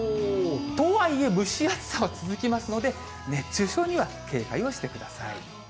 とはいえ、蒸し暑さは続きますので、熱中症には警戒をしてください。